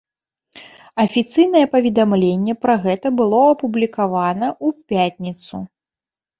Афіцыйнае паведамленне пра гэта было апублікавана ў пятніцу.